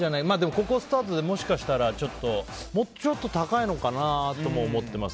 ここがスタートでもうちょっと高いのかなとも思っています。